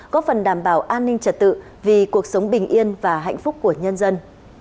có phần đảm bảo an ninh trật tự vì cuộc sống bình yên và hạnh phúc của nhân dân